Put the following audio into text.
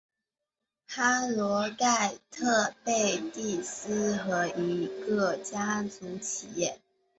哈罗盖特贝蒂斯和泰勒是英国约克郡的一个家族企业。